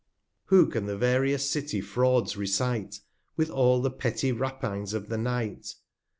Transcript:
246 Who can the various City Frauds recite, With all the petty Rapines of the Night?